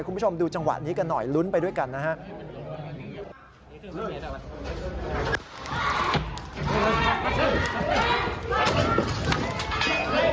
คุณผู้ชมดูจังหวะนี้กันหน่อยลุ้นไปด้วยกันนะครับ